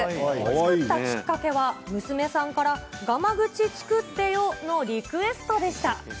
作ったきっかけは、娘さんからがま口作ってよ、のリクエストでした。